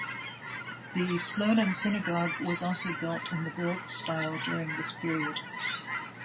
The Slonim Synagogue was also built in the Baroque style during this period.